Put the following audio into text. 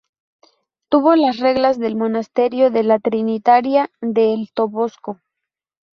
Tuvo las reglas del monasterio de las trinitarias de El Toboso.